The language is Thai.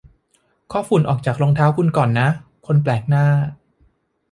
เคาะฝุ่นออกจากรองเท้าของคุณก่อนนะ คนแปลกหน้า